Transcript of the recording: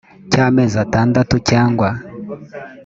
cy amezi atandatu cyangwa